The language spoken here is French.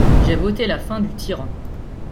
J’ai voté la fin du tyran.